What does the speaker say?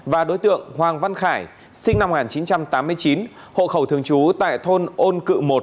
và đối tượng hoàng văn khải sinh năm một nghìn chín trăm tám mươi chín hộ khẩu thường trú tại thôn ôn cự một